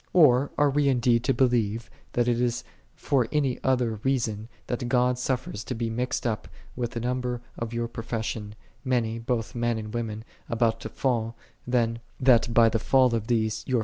Or are we indeed to believe that it is for any other reason, that God surfers to be mixed up with the number of your profes sion, many, both men and women, about to fall, than that by the fall of these your fear ' Rom.